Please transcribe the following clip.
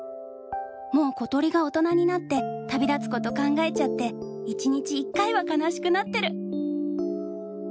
もうことりが大人になって旅立つこと考えちゃって１日一回は悲しくなってる」。